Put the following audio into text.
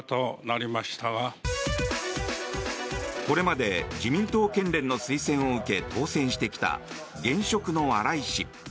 これまで自民党県連の推薦を受け、当選してきた現職の荒井氏。